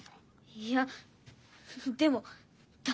いやでもだ